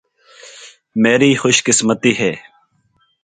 میری خوش قسمتی ہے۔